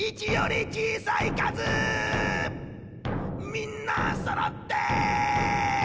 みんなそろって！